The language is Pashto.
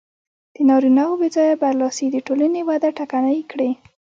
د نارینهوو بې ځایه برلاسي د ټولنې وده ټکنۍ کړې.